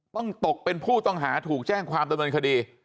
ต้องตกเป็นผู้ต้องหาถูกแจ้งความดำเนินคดี